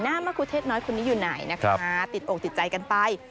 มะครูเทศน้อยคนนี้อยู่ไหนนะคะติดอกติดใจกันไป